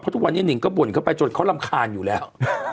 ทุกวันนี้หนิงก็บ่นเข้าไปจนเขารำคาญอยู่แล้ว